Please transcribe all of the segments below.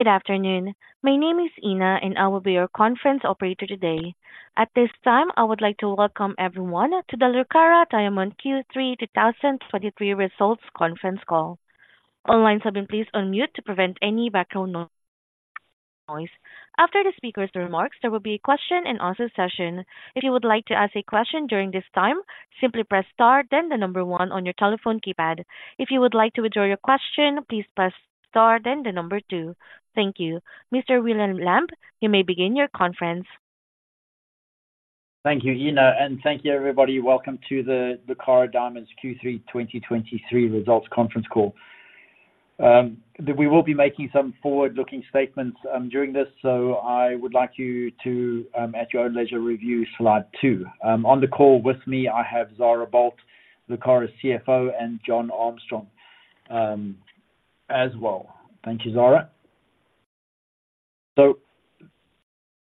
Good afternoon. My name is Ina, and I will be your conference operator today. At this time, I would like to welcome everyone to the Lucara Diamond Q3 2023 Results Conference Call. All lines have been placed on mute to prevent any background noise. After the speaker's remarks, there will be a question and answer session. If you would like to ask a question during this time, simply press Star, then the number one on your telephone keypad. If you would like to withdraw your question, please press Star, then the number two. Thank you. Mr. William Lamb, you may begin your conference. Thank you, Ina, and thank you, everybody. Welcome to the Lucara Diamond Q3 2023 Results Conference Call. We will be making some forward-looking statements during this, so I would like you to at your own leisure review slide two. On the call with me, I have Zara Boldt, Lucara's CFO, and John Armstrong as well. Thank you, Zara. So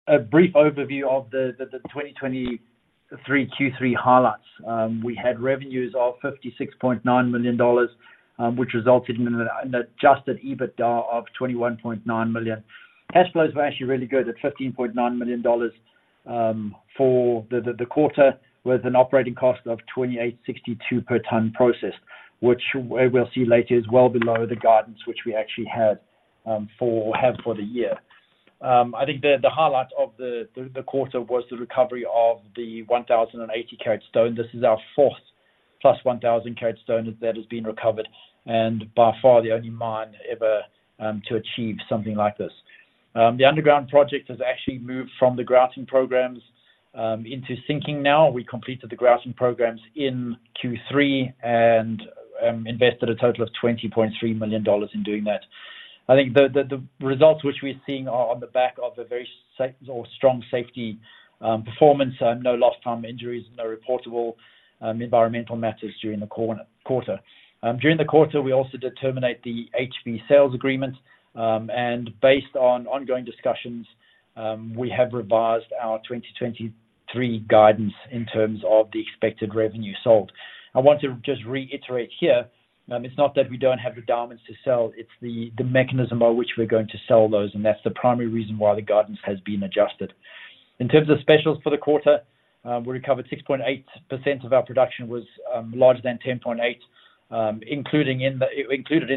a brief overview of the 2023 Q3 highlights. We had revenues of $56.9 million, which resulted in an adjusted EBITDA of $21.9 million. Cash flows were actually really good at $15.9 million for the quarter, with an operating cost of 2,862 per ton processed, which we'll see later is well below the guidance which we actually had for the year. I think the highlight of the quarter was the recovery of the 1,080-carat stone. This is our fourth + 1,000-carat stone that has been recovered, and by far the only mine ever to achieve something like this. The underground project has actually moved from the grouting programs into sinking now. We completed the grouting programs in Q3 and invested a total of $20.3 million in doing that. I think the results which we're seeing are on the back of a very strong safety performance, and no lost time injuries, no reportable environmental matters during the quarter. During the quarter, we also did terminate the HB sales agreement, and based on ongoing discussions, we have revised our 2023 guidance in terms of the expected revenue sold. I want to just reiterate here, it's not that we don't have the diamonds to sell, it's the mechanism by which we're going to sell those, and that's the primary reason why the guidance has been adjusted. In terms of specials for the quarter, we recovered 6.8% of our production was larger than 10.8. Included in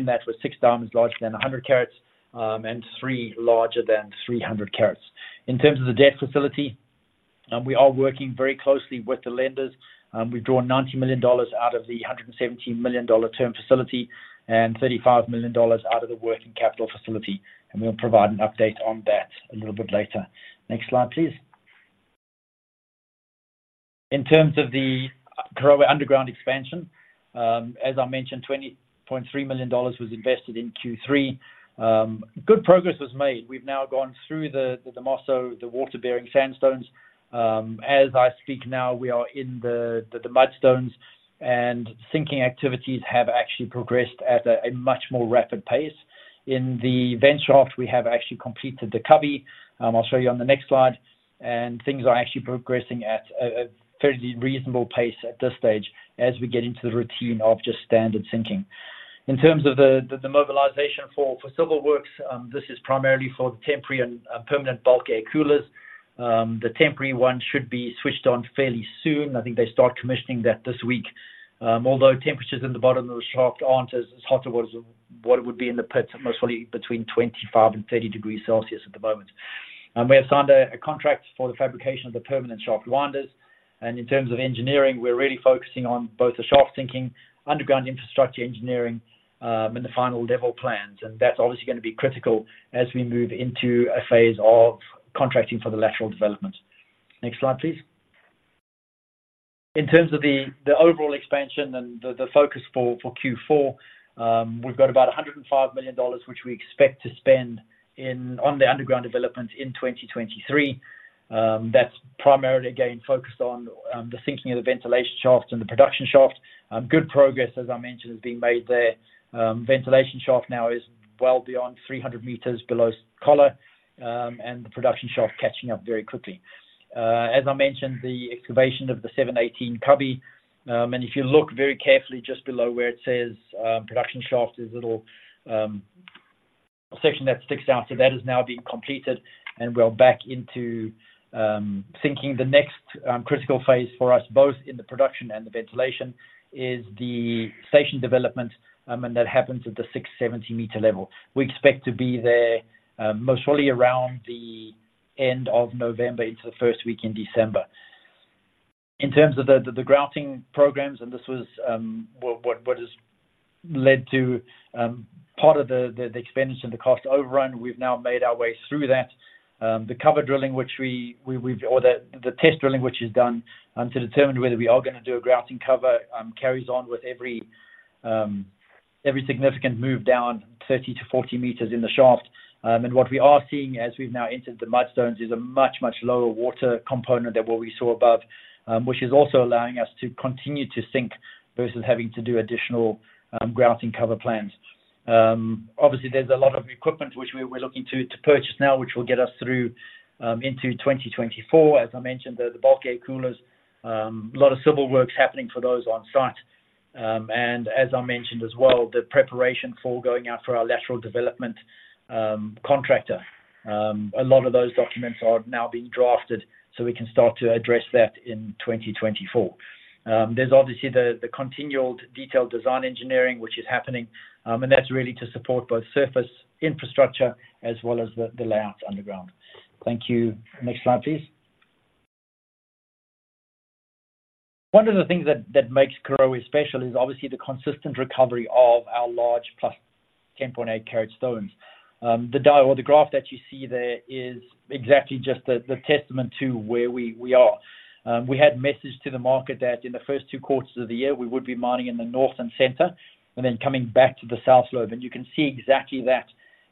that was six diamonds larger than 100 carats, and three larger than 300 carats. In terms of the debt facility, we are working very closely with the lenders. We've drawn $90 million out of the $117 million term facility and $35 million out of the working capital facility, and we'll provide an update on that a little bit later. Next slide, please. In terms of the Karowe underground expansion, as I mentioned, $20.3 million was invested in Q3. Good progress was made. We've now gone through the Damaso, the water-bearing sandstones. As I speak now, we are in the mudstones, and sinking activities have actually progressed at a much more rapid pace. In the vent shaft, we have actually completed the cubby. I'll show you on the next slide, and things are actually progressing at a fairly reasonable pace at this stage as we get into the routine of just standard sinking. In terms of the mobilization for civil works, this is primarily for the temporary and permanent bulk air coolers. The temporary one should be switched on fairly soon. I think they start commissioning that this week. Although temperatures in the bottom of the shaft aren't as hot towards what it would be in the pits, most likely between 25 and 30 degrees Celsius at the moment. And we have signed a contract for the fabrication of the permanent shaft winders, and in terms of engineering, we're really focusing on both the shaft sinking, underground infrastructure engineering, and the final level plans. And that's obviously going to be critical as we move into a phase of contracting for the lateral development. Next slide, please. In terms of the overall expansion and the focus for Q4, we've got about $105 million, which we expect to spend in--on the underground development in 2023. That's primarily again, focused on the sinking of the ventilation shaft and the production shaft. Good progress, as I mentioned, is being made there. Ventilation shaft now is well beyond 300 meters below collar, and the production shaft catching up very quickly. As I mentioned, the excavation of the 718 cubby, and if you look very carefully just below where it says production shaft, there's a little section that sticks out. So that is now being completed and we're back into sinking. The next critical phase for us, both in the production and the ventilation, is the station development, and that happens at the 670-meter level. We expect to be there, most likely around the end of November into the first week in December. In terms of the grouting programs, and this was what has led to part of the expenditure and the cost overrun, we've now made our way through that. The cover drilling, which we've Or the test drilling, which is done to determine whether we are gonna do a grouting cover, carries on with every significant move down 30-40 meters in the shaft. And what we are seeing as we've now entered the mudstones is a much, much lower water component than what we saw above, which is also allowing us to continue to sink versus having to do additional grouting cover plans. Obviously, there's a lot of equipment which we're looking to purchase now, which will get us through into 2024. As I mentioned, the bulk air coolers, a lot of civil works happening for those on site. And as I mentioned as well, the preparation for going out for our lateral development contractor, a lot of those documents are now being drafted, so we can start to address that in 2024. There's obviously the continual detailed design engineering, which is happening, and that's really to support both surface infrastructure as well as the layouts underground. Thank you. Next slide, please. One of the things that makes Karowe special is obviously the consistent recovery of our large plus 10.8 carat stones. The graph that you see there is exactly just the testament to where we are. We had messaged to the market that in the first two quarters of the year, we would be mining in the north and center, and then coming back to the south lobe. You can see exactly that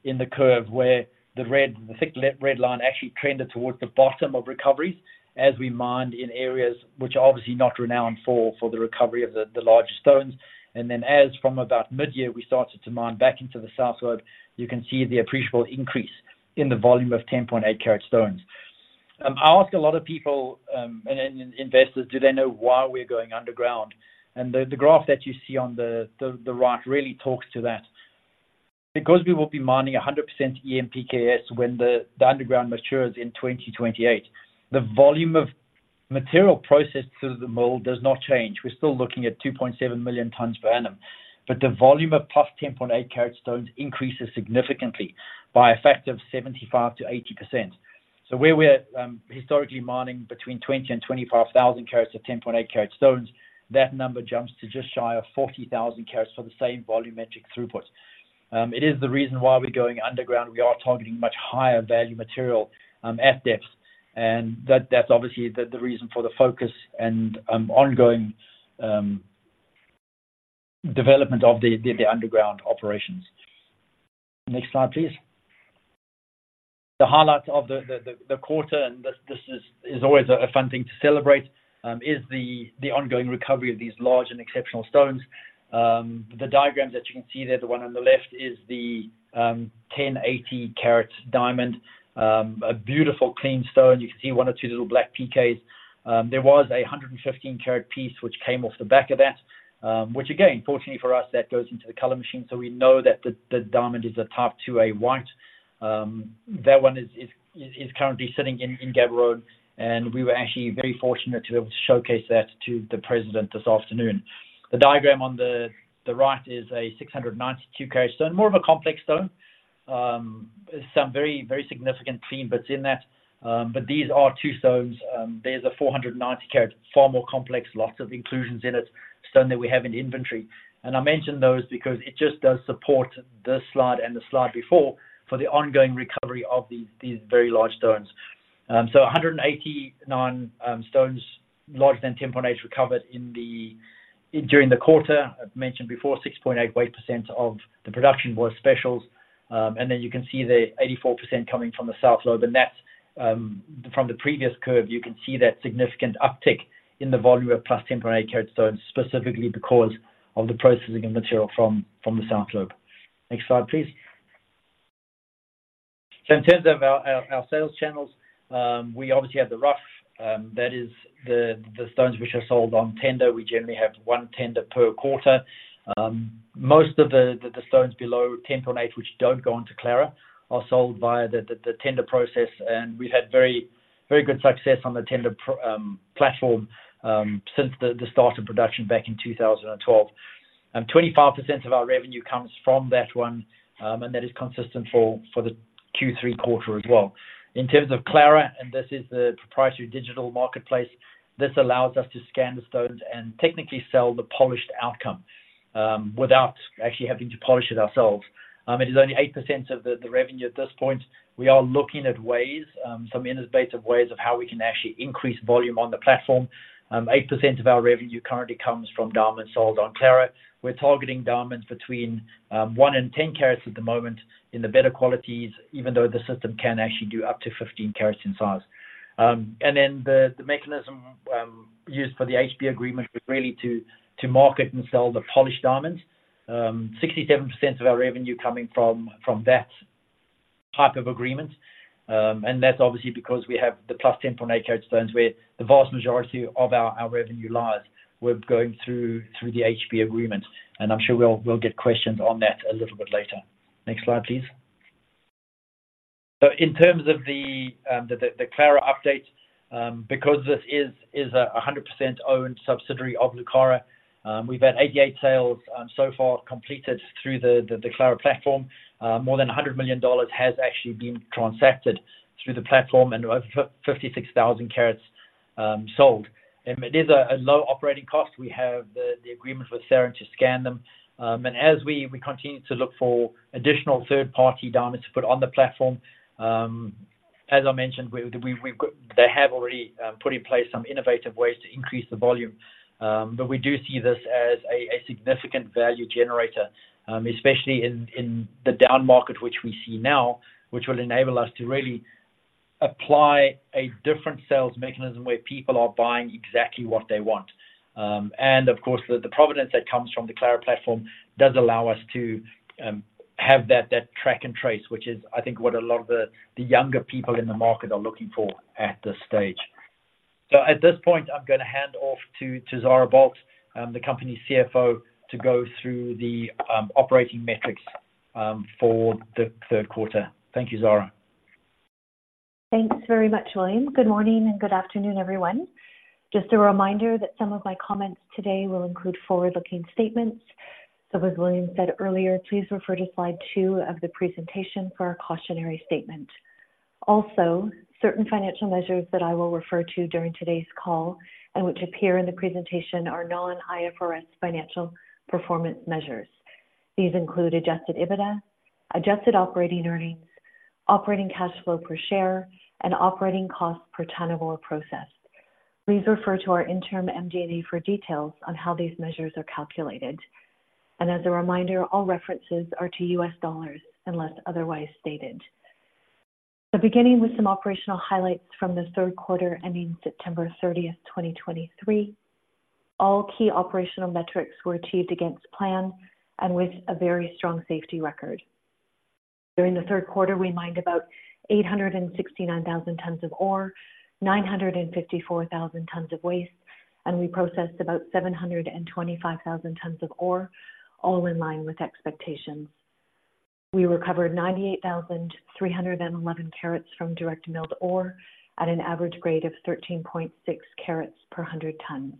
in the curve, where the red, the thick red line actually trended towards the bottom of recoveries as we mined in areas which are obviously not renowned for the recovery of the larger stones. Then as from about mid-year, we started to mine back into the south lobe, you can see the appreciable increase in the volume of 10.8 carat stones. I ask a lot of people and investors, do they know why we're going underground? The graph that you see on the right really talks to that. Because we will be mining 100% EMPKS when the underground matures in 2028, the volume of material processed through the mill does not change. We're still looking at 2.7 million tons per annum, but the volume of +10.8-carat stones increases significantly by a factor of 75%-80%. So where we are, historically mining between 20 and 25,000 carats of 10.8-carat stones, that number jumps to just shy of 40,000 carats for the same volumetric throughput. It is the reason why we're going underground. We are targeting much higher value material at depth, and that's obviously the reason for the focus and ongoing development of the underground operations. Next slide, please. The highlights of the quarter, and this is always a fun thing to celebrate, is the ongoing recovery of these large and exceptional stones. The diagrams that you can see there, the one on the left is the 1,080-carat diamond. A beautiful, clean stone. You can see one or two little black PKs. There was a 115-carat piece which came off the back of that, which again, fortunately for us, that goes into the color machine, so we know that the diamond is a Type IIa white. That one is currently sitting in Gaborone, and we were actually very fortunate to be able to showcase that to the president this afternoon. The diagram on the right is a 692-carat stone, more of a complex stone. Some very, very significant clean bits in that, but these are two stones. There's a 490-carat, far more complex, lots of inclusions in it, stone that we have in inventory. And I mention those because it just does support this slide and the slide before, for the ongoing recovery of these, these very large stones. So a 189, stones, larger than 10.8, recovered during the quarter. I've mentioned before, 6.8% weight of the production was specials. And then you can see the 84% coming from the South Lobe, and that's, from the previous curve, you can see that significant uptick in the volume of plus 10.8-carat stones, specifically because of the processing of material from, from the South Lobe. Next slide, please. In terms of our sales channels, we obviously have the rough, that is the stones which are sold on tender. We generally have one tender per quarter. Most of the stones below 10.8, which don't go onto Clara, are sold via the tender process, and we've had very good success on the tender platform since the start of production back in 2012. 25% of our revenue comes from that one, and that is consistent for the Q3 quarter as well. In terms of Clara, this is the proprietary digital marketplace; this allows us to scan the stones and technically sell the polished outcome without actually having to polish it ourselves. It is only 8% of the revenue at this point. We are looking at ways, some innovative ways of how we can actually increase volume on the platform. 8% of our revenue currently comes from diamonds sold on Clara. We're targeting diamonds between one and 10 carats at the moment in the better qualities, even though the system can actually do up to 15 carats in size. And then the mechanism used for the HB agreement was really to market and sell the polished diamonds. 67% of our revenue coming from that type of agreement. And that's obviously because we have the 10.8+ carat stones, where the vast majority of our revenue lies, we're going through the HB agreement, and I'm sure we'll get questions on that a little bit later. Next slide, please. So in terms of the Clara update, because this is a 100% owned subsidiary of Lucara, we've had 88 sales so far completed through the Clara platform. More than $100 million has actually been transacted through the platform, and over 56,000 carats sold. And it is a low operating cost. We have the agreement with Sarine to scan them. And as we continue to look for additional third-party diamonds to put on the platform, as I mentioned, we've got they have already put in place some innovative ways to increase the volume. But we do see this as a significant value generator, especially in the down market, which we see now, which will enable us to really apply a different sales mechanism where people are buying exactly what they want. And of course, the provenance that comes from the Clara platform does allow us to have that track and trace, which is, I think, what a lot of the younger people in the market are looking for at this stage. So at this point, I'm gonna hand off to Zara Boldt, the company's CFO, to go through the operating metrics for the third quarter. Thank you, Zara. Thanks very much, William. Good morning and good afternoon, everyone. Just a reminder that some of my comments today will include forward-looking statements. So as William said earlier, please refer to slide two of the presentation for our cautionary statement. Also, certain financial measures that I will refer to during today's call and which appear in the presentation, are non-IFRS financial performance measures. These include adjusted EBITDA, adjusted operating earnings, operating cash flow per share, and operating costs per ton of ore processed. Please refer to our interim MD&A for details on how these measures are calculated. As a reminder, all references are to US dollars unless otherwise stated. Beginning with some operational highlights from the third quarter, ending September 30, 2023, all key operational metrics were achieved against plan and with a very strong safety record. During the third quarter, we mined about 869,000 tons of ore, 954,000 tons of waste, and we processed about 725,000 tons of ore, all in line with expectations. We recovered 98,311 carats from direct milled ore at an average grade of 13.6 carats per 100 tons.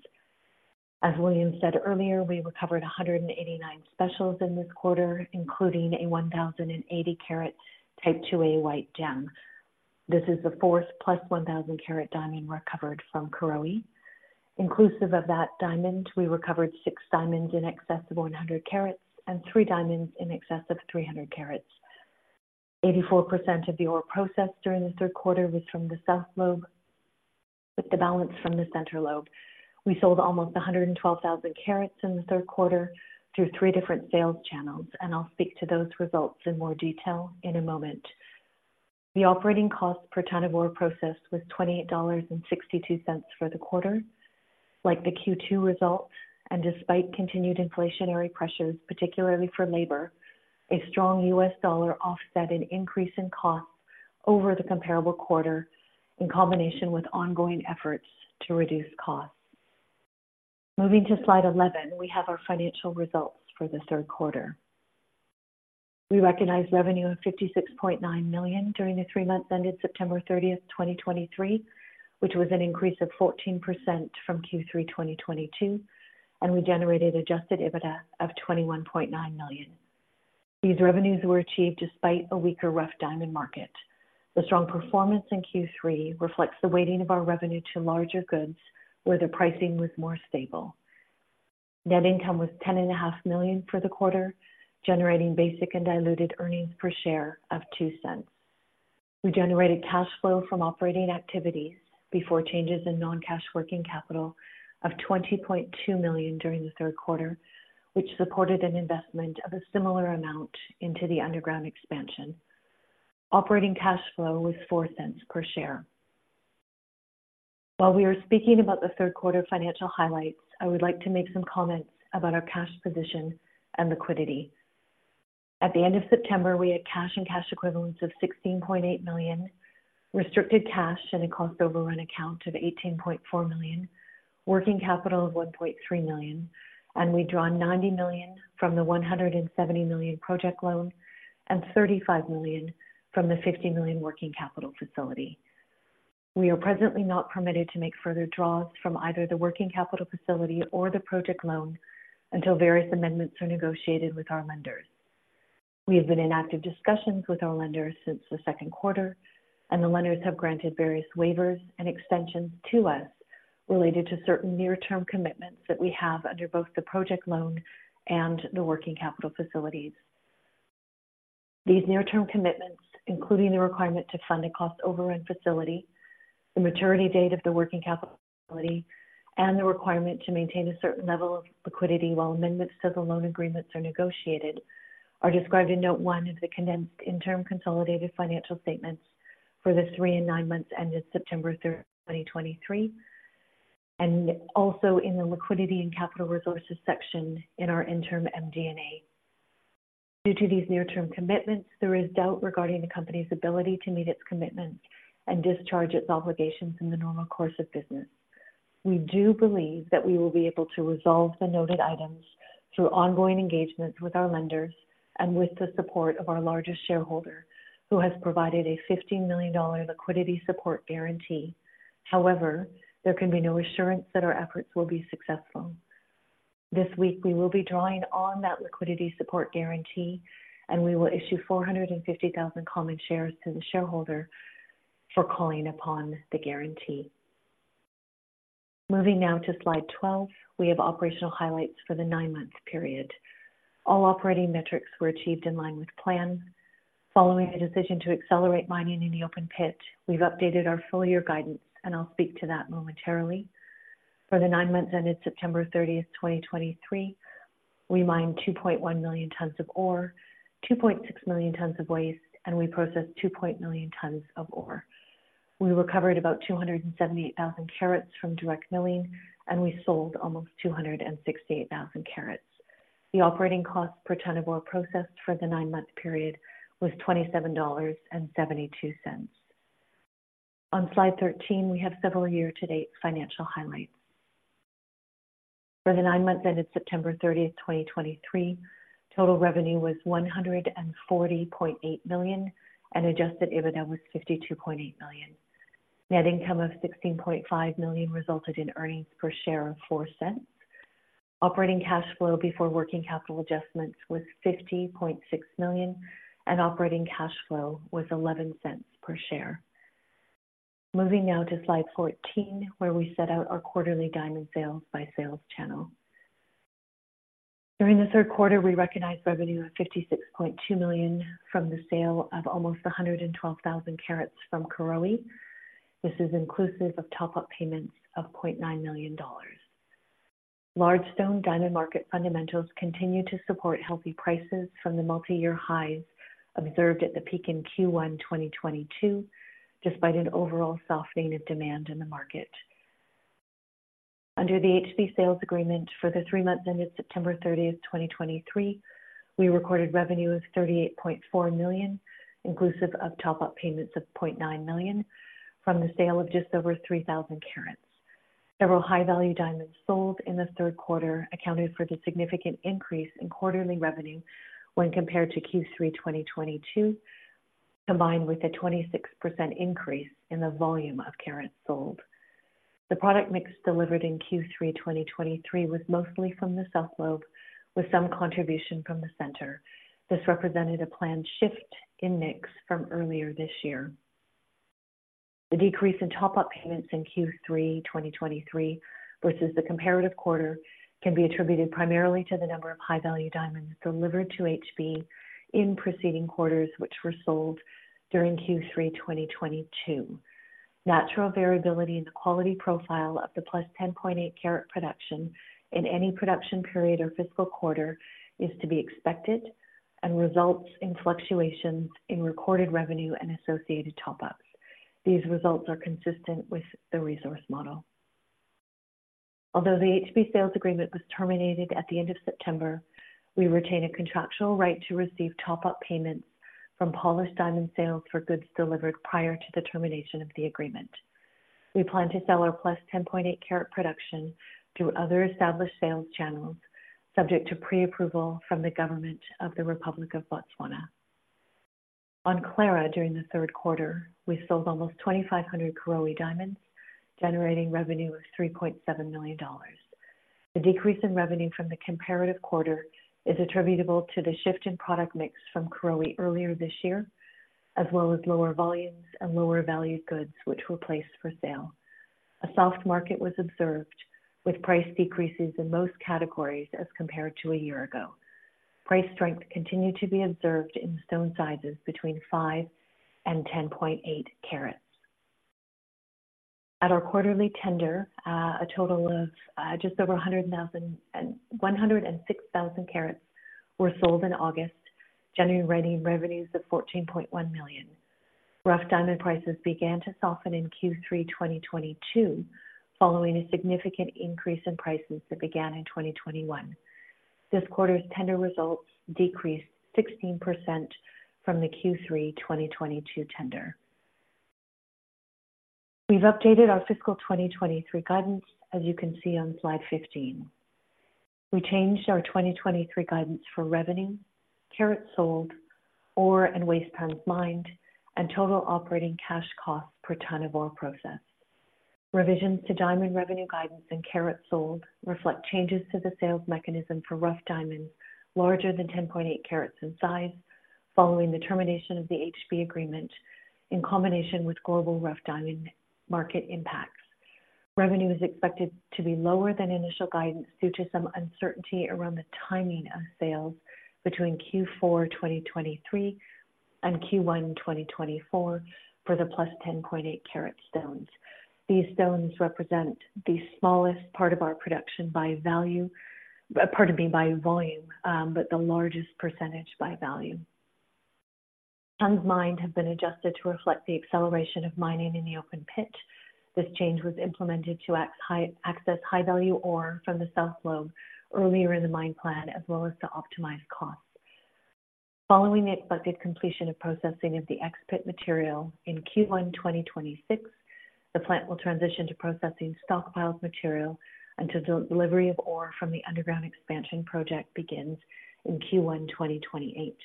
As William said earlier, we recovered 189 specials in this quarter, including a 1,080-carat Type IIa white gem. This is the fourth +1,000-carat diamond recovered from Karowe. Inclusive of that diamond, we recovered six diamonds in excess of 100 carats and three diamonds in excess of 300 carats. 84% of the ore processed during the third quarter was from the South lobe, with the balance from the Center lobe. We sold almost 112,000 carats in the third quarter through three different sales channels, and I'll speak to those results in more detail in a moment. The operating cost per ton of ore processed was $28.62 for the quarter. Like the Q2 results, and despite continued inflationary pressures, particularly for labor, a strong US dollar offset an increase in costs over the comparable quarter, in combination with ongoing efforts to reduce costs. Moving to slide 11, we have our financial results for the third quarter. We recognized revenue of $56.9 million during the three months ended September 30, 2023, which was an increase of 14% from Q3 2022, and we generated adjusted EBITDA of $21.9 million. These revenues were achieved despite a weaker rough diamond market. The strong performance in Q3 reflects the weighting of our revenue to larger goods, where the pricing was more stable. Net income was $10.5 million for the quarter, generating basic and diluted earnings per share of $0.02. We generated cash flow from operating activities before changes in non-cash working capital of $20.2 million during the third quarter, which supported an investment of a similar amount into the underground expansion. Operating cash flow was $0.04 per share. While we are speaking about the third quarter financial highlights, I would like to make some comments about our cash position and liquidity. At the end of September, we had cash and cash equivalents of $16.8 million, restricted cash and a cost overrun account of $18.4 million, working capital of $1.3 million, and we drawn $90 million from the $170 million project loan and $35 million from the $50 million working capital facility. We are presently not permitted to make further draws from either the working capital facility or the project loan until various amendments are negotiated with our lenders. We have been in active discussions with our lenders since the second quarter, and the lenders have granted various waivers and extensions to us related to certain near-term commitments that we have under both the project loan and the working capital facilities. These near-term commitments, including the requirement to fund a cost overrun facility, the maturity date of the working capital facility, and the requirement to maintain a certain level of liquidity while amendments to the loan agreements are negotiated, are described in note one of the condensed interim consolidated financial statements for the three and nine months ended September 3th, 2023, and also in the liquidity and capital resources section in our interim MD&A. Due to these near-term commitments, there is doubt regarding the company's ability to meet its commitments and discharge its obligations in the normal course of business. We do believe that we will be able to resolve the noted items through ongoing engagements with our lenders and with the support of our largest shareholder, who has provided a $50 million liquidity support guarantee. However, there can be no assurance that our efforts will be successful. This week, we will be drawing on that liquidity support guarantee, and we will issue 450,000 common shares to the shareholder for calling upon the guarantee. Moving now to Slide 12, we have operational highlights for the nine-month period. All operating metrics were achieved in line with plan. Following a decision to accelerate mining in the open pit, we've updated our full year guidance, and I'll speak to that momentarily. For the nine months ended September 30, 2023, we mined 2.1 million tons of ore, 2.6 million tons of waste, and we processed 2. million tons of ore. We recovered about 278,000 carats from direct milling, and we sold almost 268,000 carats. The operating cost per ton of ore processed for the nine-month period was $27.72. On Slide 13, we have several year-to-date financial highlights. For the nine months ended September 30, 2023, total revenue was $140.8 million, and Adjusted EBITDA was $52.8 million. Net income of $16.5 million resulted in earnings per share of $0.04. Operating cash flow before working capital adjustments was $50.6 million, and operating cash flow was $0.11 per share. Moving now to Slide 14, where we set out our quarterly diamond sales by sales channel. During the third quarter, we recognized revenue of $56.2 million from the sale of almost 112,000 carats from Karowe. This is inclusive of top-up payments of $0.9 million. Large stone diamond market fundamentals continue to support healthy prices from the multi-year highs observed at the peak in Q1 2022, despite an overall softening of demand in the market. Under the HB sales agreement for the three months ended September 30, 2023, we recorded revenue of $38.4 million, inclusive of top-up payments of $0.9 million from the sale of just over 3,000 carats. Several high-value diamonds sold in the third quarter accounted for the significant increase in quarterly revenue when compared to Q3 2022, combined with a 26% increase in the volume of carats sold. The product mix delivered in Q3 2023 was mostly from the South lobe, with some contribution from the center. This represented a planned shift in mix from earlier this year. The decrease in top-up payments in Q3 2023, versus the comparative quarter, can be attributed primarily to the number of high-value diamonds delivered to HB in preceding quarters, which were sold during Q3 2022. Natural variability in the quality profile of the plus 10.8-carat production in any production period or fiscal quarter is to be expected and results in fluctuations in recorded revenue and associated top-ups. These results are consistent with the resource model. Although the HB sales agreement was terminated at the end of September, we retain a contractual right to receive top-up payments from polished diamond sales for goods delivered prior to the termination of the agreement. We plan to sell our plus 10.8-carat production through other established sales channels, subject to pre-approval from the government of the Republic of Botswana. On Clara, during the third quarter, we sold almost 2,500 Karowe diamonds, generating revenue of $3.7 million. The decrease in revenue from the comparative quarter is attributable to the shift in product mix from Karowe earlier this year, as well as lower volumes and lower valued goods, which were placed for sale. A soft market was observed, with price decreases in most categories as compared to a year ago. Price strength continued to be observed in stone sizes between five and 10.8 carats. At our quarterly tender, a total of just over one hundred and six thousand carats were sold in August, generating revenue, revenues of $14.1 million. Rough diamond prices began to soften in Q3 2022, following a significant increase in prices that began in 2021. This quarter's tender results decreased 16% from the Q3 2022 tender. We've updated our fiscal 2023 guidance, as you can see on Slide 15. We changed our 2023 guidance for revenue, carats sold, ore and waste tons mined, and total operating cash costs per tonne of ore processed. Revisions to diamond revenue guidance and carats sold reflect changes to the sales mechanism for rough diamonds larger than 10.8 carats in size, following the termination of the HB agreement in combination with global rough diamond market impacts. Revenue is expected to be lower than initial guidance due to some uncertainty around the timing of sales between Q4 2023 and Q1 2024 for the +10.8-carat stones. These stones represent the smallest part of our production by value, pardon me, by volume, but the largest percentage by value. Tons mined have been adjusted to reflect the acceleration of mining in the open pit. This change was implemented to access high value ore from the South lobe earlier in the mine plan, as well as to optimize costs. Following the expected completion of processing of the ex-pit material in Q1 2026, the plant will transition to processing stockpiled material until the delivery of ore from the underground expansion project begins in Q1 2028.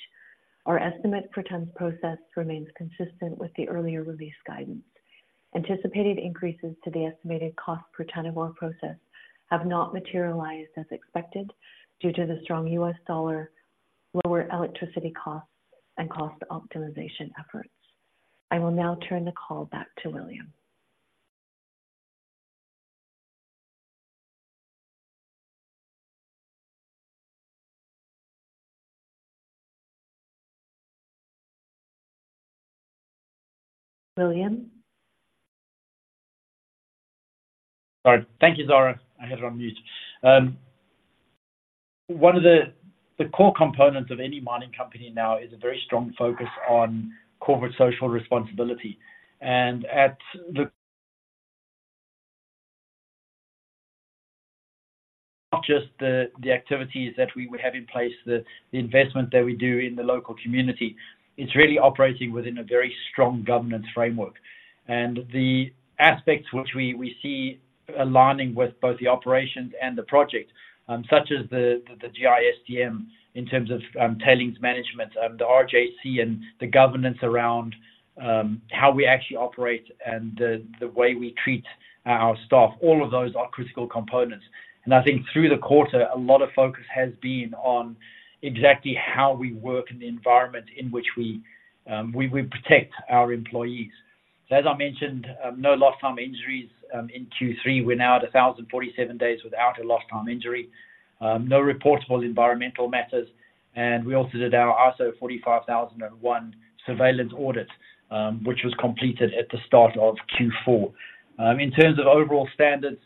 Our estimate for tons processed remains consistent with the earlier release guidance. Anticipated increases to the estimated cost per tonne of ore processed have not materialized as expected due to the strong U.S. dollar, lower electricity costs, and cost optimization efforts. I will now turn the call back to William? William? Sorry. Thank you, Zara. I had it on mute. One of the core components of any mining company now is a very strong focus on corporate social responsibility. And not just the activities that we would have in place, the investment that we do in the local community, it's really operating within a very strong governance framework. And the aspects which we see aligning with both the operations and the project, such as the GISTM in terms of tailings management, the RJC and the governance around how we actually operate and the way we treat our staff, all of those are critical components. And I think through the quarter, a lot of focus has been on exactly how we work in the environment in which we protect our employees. As I mentioned, no lost time injuries in Q3. We're now at 1,047 days without a lost time injury. No reportable environmental matters, and we also did our ISO 45001 surveillance audit, which was completed at the start of Q4. In terms of overall standards,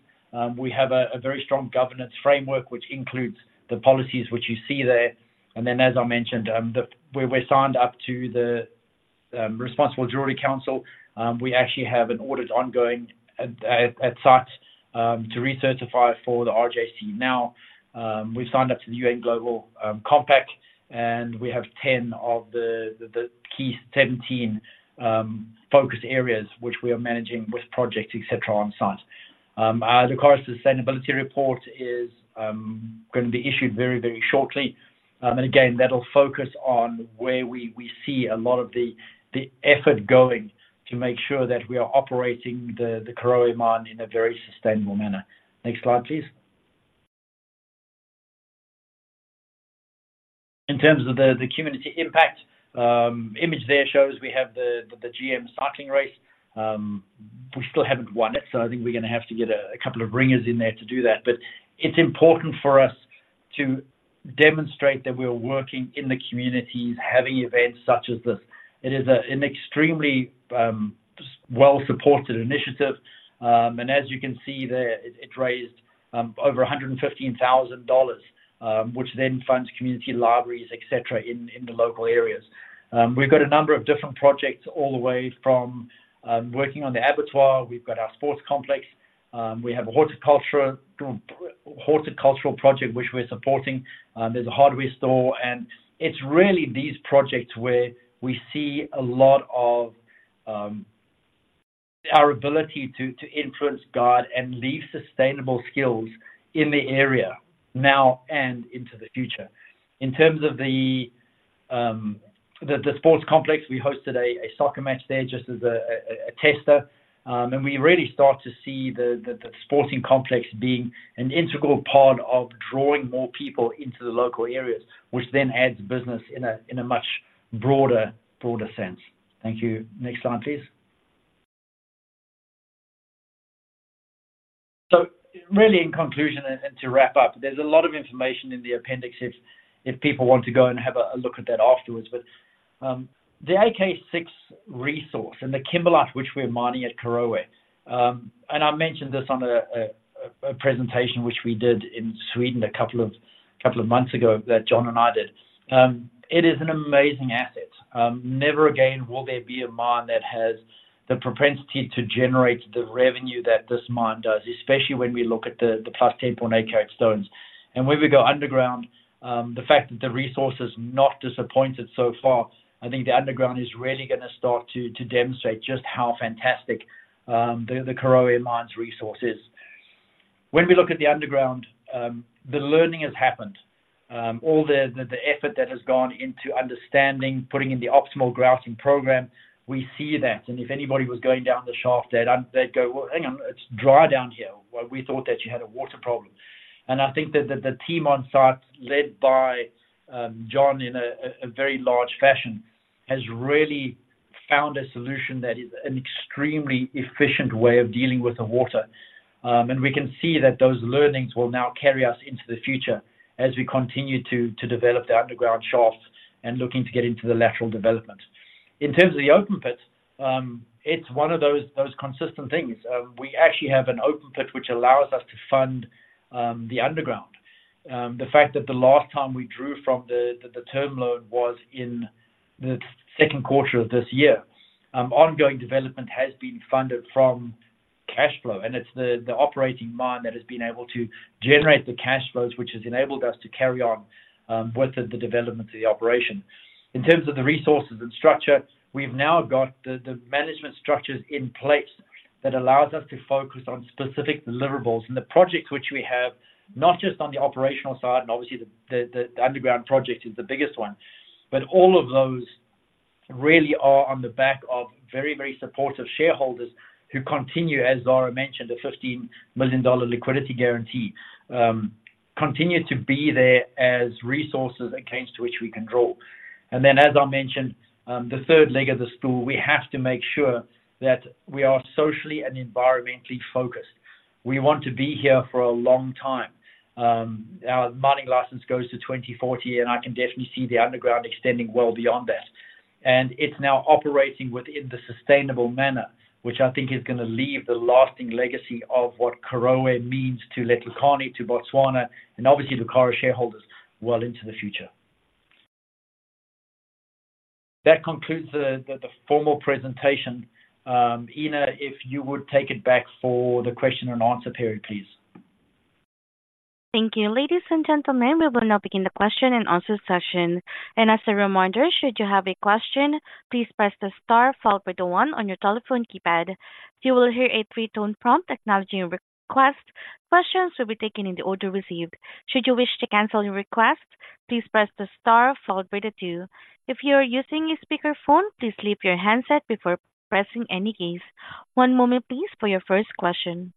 we have a very strong governance framework, which includes the policies which you see there. And then, as I mentioned, we're signed up to the Responsible Jewellery Council. We actually have an audit ongoing at site to recertify for the RJC now. We've signed up to the UN Global Compact, and we have 10 of the key 17 focus areas which we are managing with projects, et cetera, on site. The Lucara's Sustainability Report is gonna be issued very, very shortly. And again, that'll focus on where we see a lot of the effort going to make sure that we are operating the Karowe mine in a very sustainable manner. Next slide, please. In terms of the community impact, image there shows we have the GM cycling race. We still haven't won it, so I think we're gonna have to get a couple of ringers in there to do that. But it's important for us to demonstrate that we're working in the communities, having events such as this. It is an extremely well-supported initiative. And as you can see there, it raised over $115,000, which then funds community libraries, et cetera, in the local areas. We've got a number of different projects all the way from working on the abattoir. We've got our sports complex. We have a horticultural project, which we're supporting. There's a hardware store, and it's really these projects where we see a lot of our ability to influence good and leave sustainable skills in the area now and into the future. In terms of the sports complex, we hosted a soccer match there, just as a tester. And we really start to see the sporting complex being an integral part of drawing more people into the local areas, which then adds business in a much broader sense. Thank you. Next slide, please. So really, in conclusion, and to wrap up, there's a lot of information in the appendix if people want to go and have a look at that afterwards. But the AK6 resource and the kimberlite, which we're mining at Karowe, and I mentioned this on a presentation which we did in Sweden a couple of months ago, that John and I did. It is an amazing asset. Never again will there be a mine that has the propensity to generate the revenue that this mine does, especially when we look at the plus 10.8-carat stones. And when we go underground, the fact that the resource has not disappointed so far, I think the underground is really gonna start to demonstrate just how fantastic the Karowe mine's resource is. When we look at the underground, the learning has happened. All the effort that has gone into understanding, putting in the optimal grouting program, we see that. And if anybody was going down the shaft, they'd go, "Well, hang on, it's dry down here. Well, we thought that you had a water problem." And I think that the team on site, led by John, in a very large fashion, has really found a solution that is an extremely efficient way of dealing with the water. And we can see that those learnings will now carry us into the future as we continue to develop the underground shafts and looking to get into the lateral development. In terms of the open pit, it's one of those consistent things. We actually have an open pit, which allows us to fund the underground. The fact that the last time we drew from the term loan was in the second quarter of this year, ongoing development has been funded from cash flow, and it's the operating mine that has been able to generate the cash flows, which has enabled us to carry on with the development of the operation. In terms of the resources and structure, we've now got the management structures in place that allows us to focus on specific deliverables. The projects which we have, not just on the operational side, and obviously, the underground project is the biggest one, but all of those really are on the back of very, very supportive shareholders who continue, as Zara mentioned, the $15 million liquidity guarantee, continue to be there as resources against which we can draw. And then, as I mentioned, the third leg of the stool, we have to make sure that we are socially and environmentally focused. We want to be here for a long time. Our mining license goes to 2040, and I can definitely see the underground extending well beyond that, and it's now operating within the sustainable manner, which I think is gonna leave the lasting legacy of what Karowe means to Letlhakane, to Botswana, and obviously to Lucara shareholders well into the future. That concludes the formal presentation. Ina, if you would take it back for the question and answer period, please. Thank you. Ladies and gentlemen, we will now begin the question and answer session. As a reminder, should you have a question, please press the star followed by the one on your telephone keypad. You will hear a three tone prompt acknowledging your request. Questions will be taken in the order received. Should you wish to cancel your request, please press the star followed by the two. If you are using a speakerphone, please leave your handset before pressing any keys. One moment please, for your first question.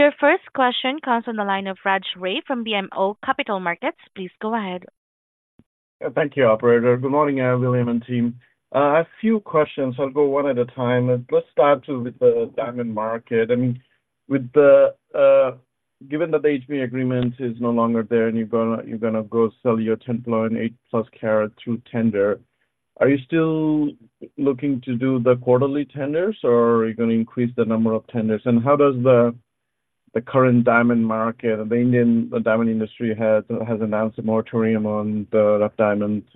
Your first question comes from the line of Raj Ray from BMO Capital Markets. Please go ahead. Thank you, operator. Good morning, William and team. A few questions. I'll go one at a time. Let's start with the diamond market. I mean, with the given that the HB agreement is no longer there and you're gonna, you're gonna go sell your 10.8+ carat through tender, are you still looking to do the quarterly tenders, or are you gonna increase the number of tenders? And how does the current diamond market—the Indian diamond industry has announced a moratorium on the rough diamonds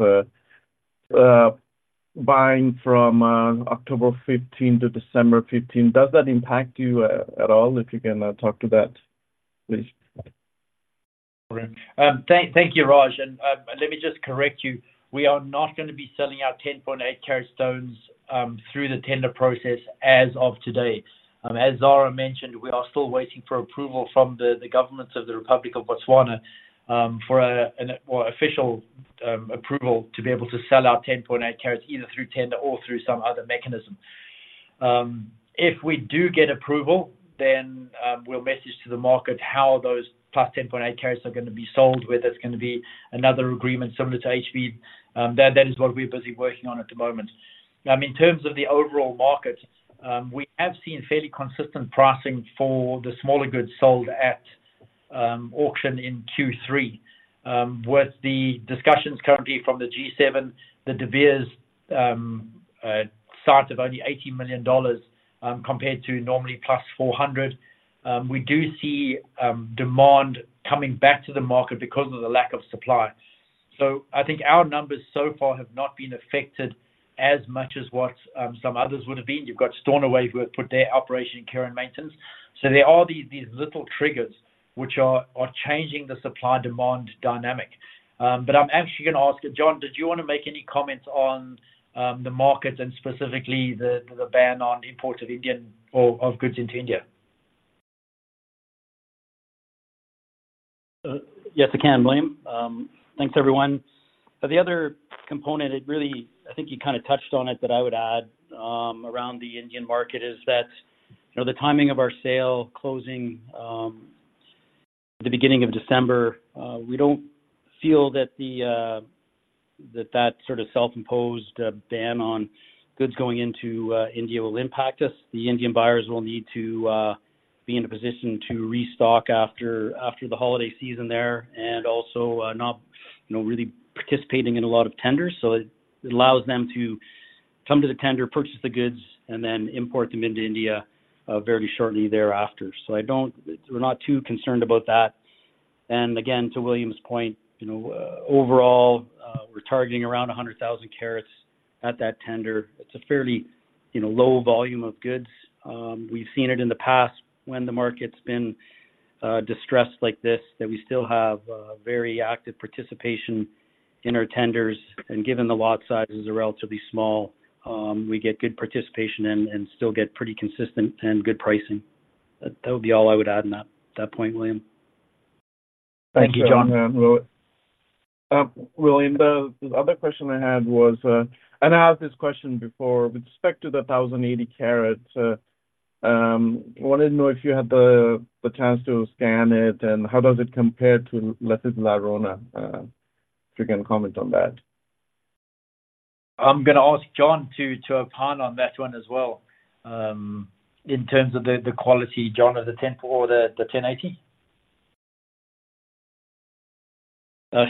buying from October 15 to December 15. Does that impact you at all? If you can talk to that, please. Thank you, Raj. Let me just correct you. We are not gonna be selling our 10.8-carat stones through the tender process as of today. As Zara mentioned, we are still waiting for approval from the governments of the Republic of Botswana for an official approval to be able to sell our 10.8 carats, either through tender or through some other mechanism. If we do get approval, then we'll message to the market how those plus 10.8 carats are gonna be sold, whether it's gonna be another agreement similar to HB. That is what we're busy working on at the moment. In terms of the overall market, we have seen fairly consistent pricing for the smaller goods sold at auction in Q3. With the discussions currently from the G7, the De Beers sight of only $80 million, compared to normally +$400 million. We do see demand coming back to the market because of the lack of supply. So I think our numbers so far have not been affected as much as what some others would have been. You've got Stornoway, who have put their operation in care and maintenance. So there are these little triggers which are changing the supply-demand dynamic. But I'm actually gonna ask you, John, did you want to make any comments on the market and specifically the ban on imports of Russian goods into India? Yes, I can, William. Thanks, everyone. The other component, it really, I think you kinda touched on it, but I would add, around the Indian market, is that, you know, the timing of our sale closing, the beginning of December, we don't feel that the that, that sort of self-imposed, ban on goods going into, India will impact us. The Indian buyers will need to, be in a position to restock after, after the holiday season there, and also, not, you know, really participating in a lot of tenders. So it, it allows them to come to the tender, purchase the goods, and then import them into India, very shortly thereafter. So I don't we're not too concerned about that. And again, to William's point, you know, overall, we're targeting around 100,000 carats at that tender. It's a fairly, you know, low volume of goods. We've seen it in the past when the market's been distressed like this, that we still have very active participation in our tenders, and given the lot sizes are relatively small, we get good participation and still get pretty consistent and good pricing. That would be all I would add on that point, William. Thank you, John. William, the other question I had was, and I asked this question before with respect to the 1,080 carats. I wanted to know if you had the, the chance to scan it, and how does it compare to Lesedi La Rona? If you can comment on that. I'm gonna ask John to opine on that one as well. In terms of the quality, John, of the 10 or the 1,080.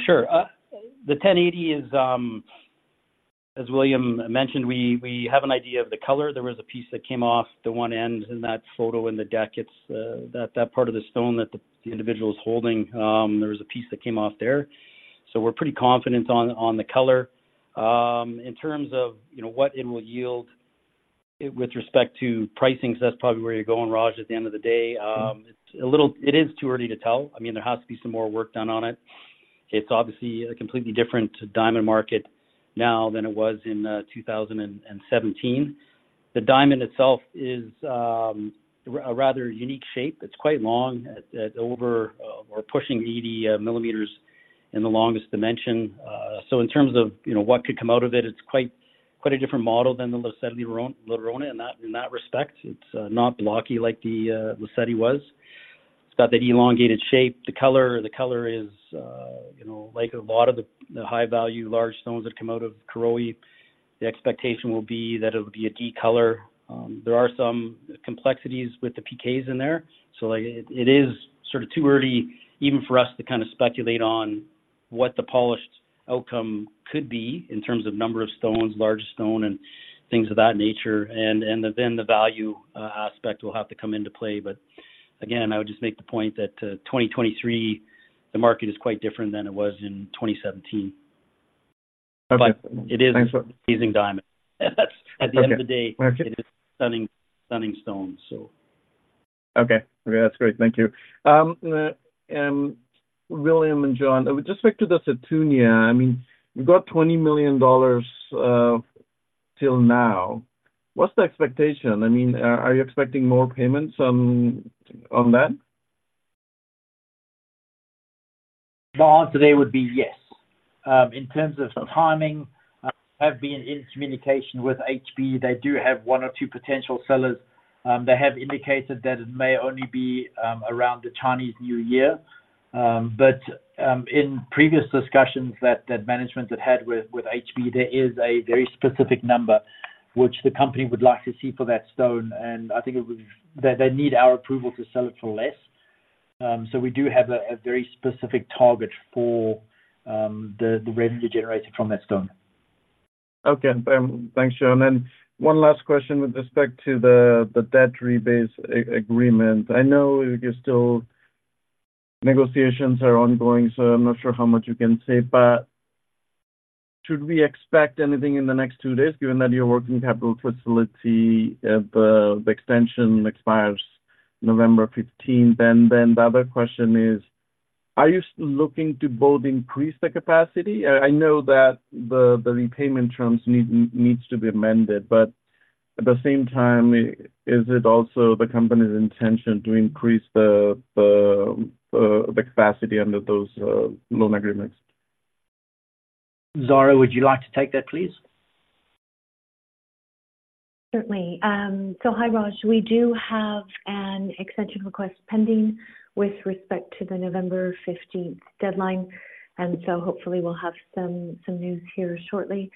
Sure. The 1,080 is, as William mentioned, we have an idea of the color. There was a piece that came off the one end in that photo in the deck. It's that part of the stone that the individual is holding, there was a piece that came off there. So we're pretty confident on the color. In terms of, you know, what it will yield with respect to pricing, so that's probably where you're going, Raj, at the end of the day, it's a little. It is too early to tell. I mean, there has to be some more work done on it. It's obviously a completely different diamond market now than it was in 2017. The diamond itself is a rather unique shape. It's quite long, over or pushing 80 millimeters in the longest dimension. So in terms of, you know, what could come out of it, it's quite a different model than the Lesedi La Rona. In that respect, it's not blocky like the Lesedi was. It's got that elongated shape. The color is, you know, like a lot of the high-value, large stones that come out of Karowe. The expectation will be that it'll be a D color. There are some complexities with the PKs in there, so like, it is sort of too early even for us to kind of speculate on what the polished outcome could be in terms of number of stones, large stone, and things of that nature. And then the value aspect will have to come into play. But again, I would just make the point that, 2023, the market is quite different than it was in 2017. Okay. But it is- Thanks for- Amazing diamond. Okay. At the end of the day- Okay It is stunning, stunning stone, so. Okay. Okay, that's great. Thank you. William and John, just back to the Sarine, I mean, you got $20 million till now. What's the expectation? I mean, are you expecting more payments on, on that? The answer today would be yes. In terms of timing, I've been in communication with HB. They do have one or two potential sellers. They have indicated that it may only be around the Chinese New Year. But in previous discussions that management had had with HB, there is a very specific number which the company would like to see for that stone, and I think they need our approval to sell it for less. So we do have a very specific target for the revenue generated from that stone. Okay, thanks, John. And one last question with respect to the debt rebase agreement. I know you're still, negotiations are ongoing, so I'm not sure how much you can say, but should we expect anything in the next two days, given that your working capital facility, the extension expires November fifteenth? And then the other question is: Are you still looking to both increase the capacity? I know that the repayment terms need, needs to be amended, but at the same time, is it also the company's intention to increase the capacity under those loan agreements? Zara, would you like to take that, please? Certainly. So hi, Raj. We do have an extension request pending with respect to the November fifteenth deadline, and so hopefully we'll have some news here shortly.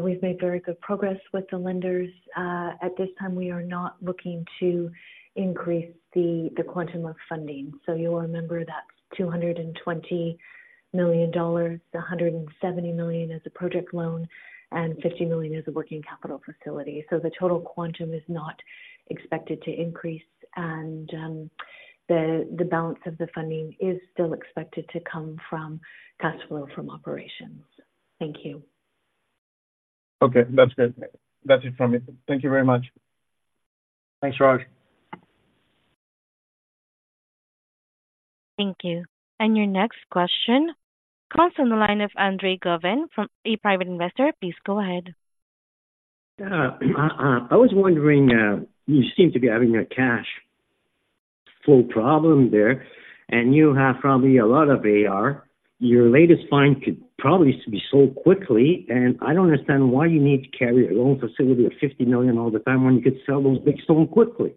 We've made very good progress with the lenders. At this time, we are not looking to increase the quantum of funding. So you'll remember that's $220 million, $170 million as a project loan, and $50 million as a working capital facility. So the total quantum is not expected to increase, and the balance of the funding is still expected to come from cash flow from operations. Thank you. Okay, that's good. That's it from me. Thank you very much. Thanks, Raj. Thank you. Your next question comes from the line of Andre Goven, from a private investor. Please go ahead. I was wondering, you seem to be having a cash flow problem there, and you have probably a lot of AR. Your latest find could probably be sold quickly, and I don't understand why you need to carry a loan facility of $50 million all the time when you could sell those big stone quickly.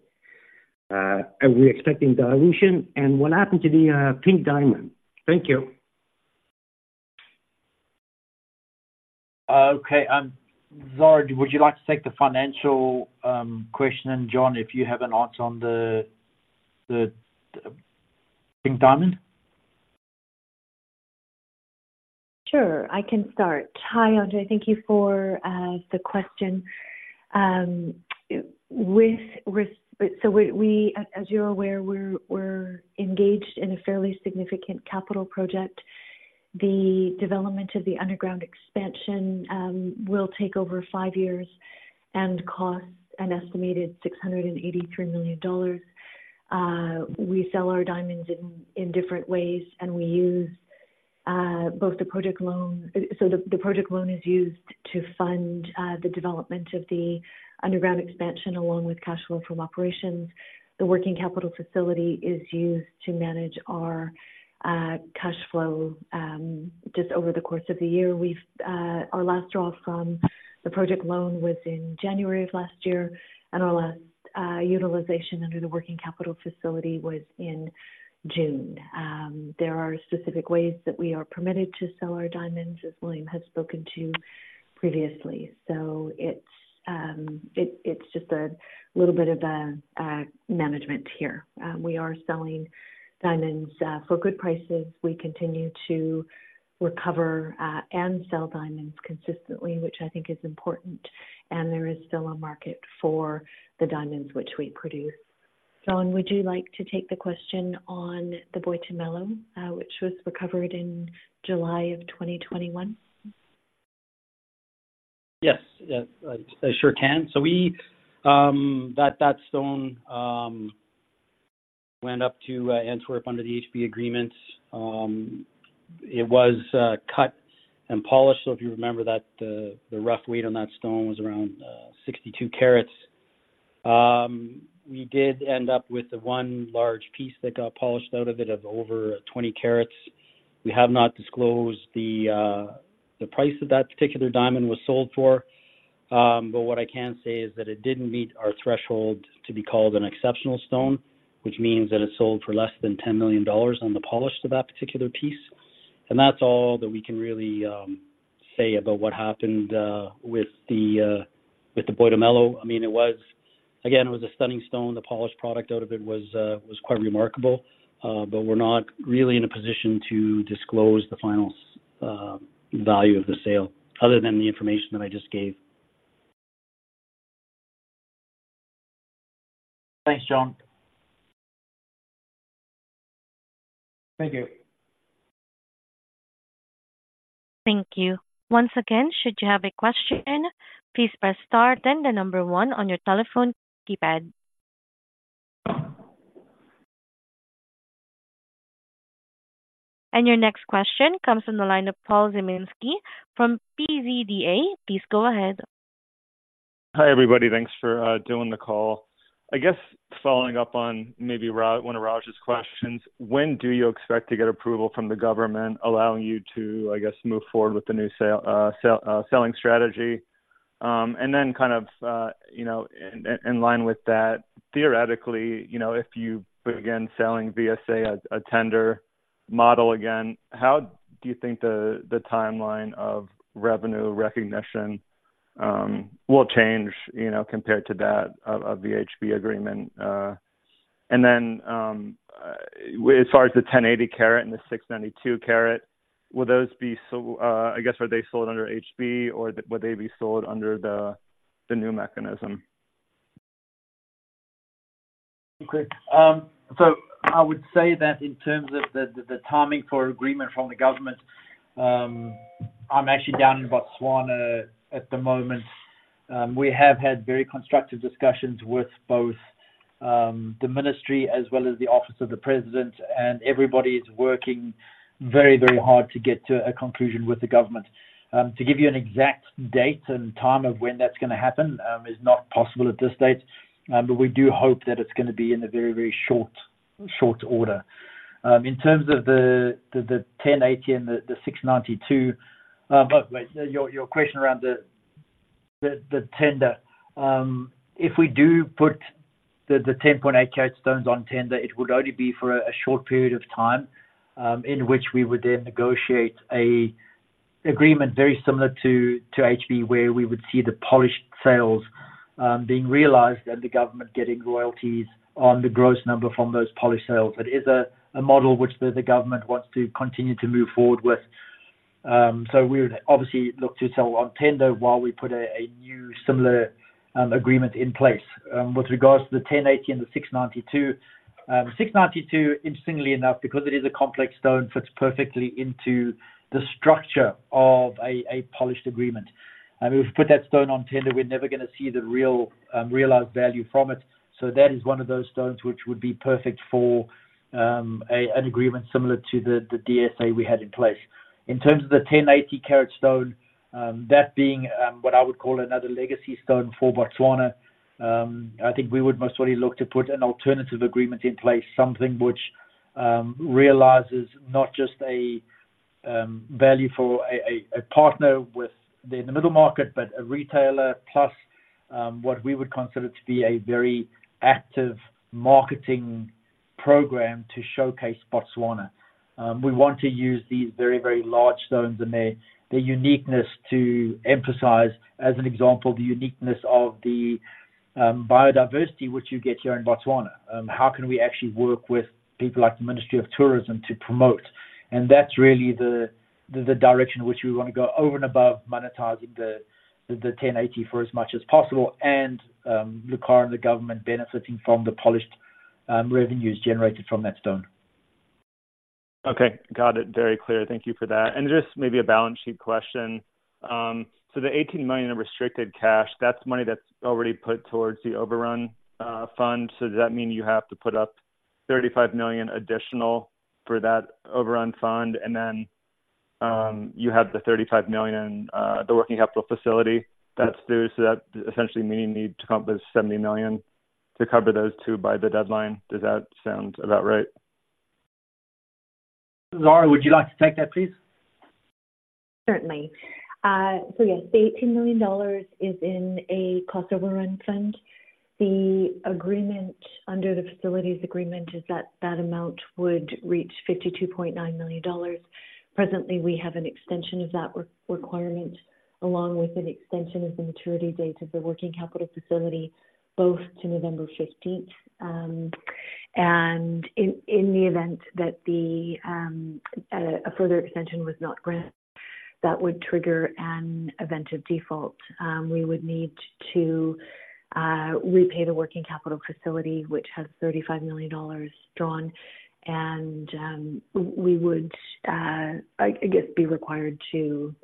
Are we expecting dilution? And what happened to the pink diamond? Thank you. Okay, Zara, would you like to take the financial question? And John, if you have an answer on the pink diamond. Sure, I can start. Hi, Andre. Thank you for the question. As you're aware, we're engaged in a fairly significant capital project. The development of the underground expansion will take over five years and cost an estimated $683 million. We sell our diamonds in different ways, and we use both the project loan. So the project loan is used to fund the development of the underground expansion, along with cash flow from operations. The working capital facility is used to manage our cash flow just over the course of the year. Our last draw from the project loan was in January of last year, and our last utilization under the working capital facility was in June. There are specific ways that we are permitted to sell our diamonds, as William has spoken to previously. So it's just a little bit of a management here. We are selling diamonds for good prices. We continue to recover and sell diamonds consistently, which I think is important, and there is still a market for the diamonds which we produce. John, would you like to take the question on the Boitumelo, which was recovered in July of 2021? Yes, yes, I sure can. So that stone went up to Antwerp under the HB agreements. It was cut and polished. So if you remember that the rough weight on that stone was around 62 carats. We did end up with the one large piece that got polished out of it of over 20 carats. We have not disclosed the price that that particular diamond was sold for. But what I can say is that it didn't meet our threshold to be called an exceptional stone, which means that it sold for less than $10 million on the polished of that particular piece. And that's all that we can really say about what happened with the Boitumelo. I mean, it was, again, it was a stunning stone. The polished product out of it was quite remarkable. But we're not really in a position to disclose the final value of the sale other than the information that I just gave. Thanks, John. Thank you. Thank you. Once again, should you have a question, please press star then one on your telephone keypad. Your next question comes from the line of Paul Zimnisky from PZDA. Please go ahead. Hi, everybody. Thanks for doing the call. I guess following up on maybe one of Raj's questions, when do you expect to get approval from the government allowing you to, I guess, move forward with the new sale, sale, selling strategy? And then kind of, you know, in, in, in line with that, theoretically, you know, if you begin selling via, say, a, a tender model again, how do you think the, the timeline of revenue recognition, will change, you know, compared to that of, of the HB agreement? And then, as far as the 1,080-carat and the 692-carat, will those be sold under HB, or would they be sold under the, the new mechanism? Okay. So I would say that in terms of the timing for agreement from the government, I'm actually down in Botswana at the moment. We have had very constructive discussions with both the ministry as well as the office of the president, and everybody is working very, very hard to get to a conclusion with the government. To give you an exact date and time of when that's gonna happen is not possible at this stage, but we do hope that it's gonna be in a very, very short order. In terms of the 1,080 and the 692, but wait, your question around the tender. If we do put the 10.8-carat stones on tender, it would only be for a short period of time, in which we would then negotiate an agreement very similar to HB, where we would see the polished sales being realized and the government getting royalties on the gross number from those polished sales. It is a model which the government wants to continue to move forward with. So we would obviously look to sell on tender while we put a new similar agreement in place. With regards to the 1,080 and the 692. 692, interestingly enough, because it is a complex stone, fits perfectly into the structure of a polished agreement. And we've put that stone on tender, we're never gonna see the real realized value from it. So that is one of those stones which would be perfect for, a, an agreement similar to the, the DSA we had in place. In terms of the 1,080-carat stone, that being, what I would call another legacy stone for Botswana, I think we would most likely look to put an alternative agreement in place, something which, realizes not just a, value for a partner with the, in the middle market, but a retailer, plus, what we would consider to be a very active marketing program to showcase Botswana. We want to use these very, very large stones and their, their uniqueness to emphasize, as an example, the uniqueness of the, biodiversity which you get here in Botswana. How can we actually work with people like the Ministry of Tourism to promote? That's really the direction in which we want to go over and above monetizing the 1,080 for as much as possible and Lucara and the government benefiting from the polished revenues generated from that stone. Okay. Got it. Very clear. Thank you for that. And just maybe a balance sheet question. So the $18 million in restricted cash, that's money that's already put towards the overrun fund. So does that mean you have to put up $35 million additional for that overrun fund, and then, you have the $35 million, the working capital facility that's due, so that essentially meaning you need to come up with $70 million to cover those two by the deadline? Does that sound about right? Zara, would you like to take that, please? Certainly. So yes, the $18 million is in a cost overrun fund. The agreement under the facilities agreement is that that amount would reach $52.9 million. Presently, we have an extension of that requirement, along with an extension of the maturity date of the working capital facility, both to November 15th. And in the event that a further extension was not granted, that would trigger an event of default. We would need to repay the working capital facility, which has $35 million drawn, and we would, I guess, be required to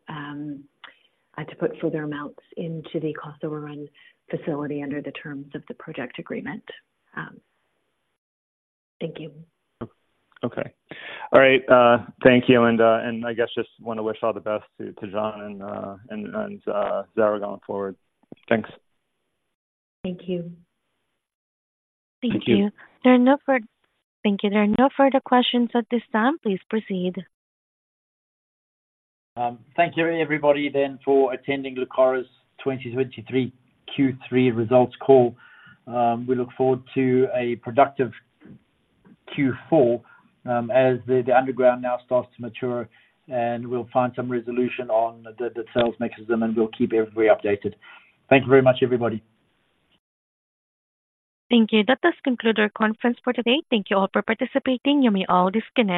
put further amounts into the cost overrun facility under the terms of the project agreement. Thank you. Okay. All right, thank you. And I guess just wanna wish all the best to John and Zara going forward. Thanks. Thank you. Thank you. Thank you. There are no further questions at this time. Please proceed. Thank you, everybody, then, for attending Lucara's 2023 Q3 results call. We look forward to a productive Q4, as the underground now starts to mature, and we'll find some resolution on the sales mechanism, and we'll keep everybody updated. Thank you very much, everybody. Thank you. That does conclude our conference for today. Thank you all for participating. You may all disconnect.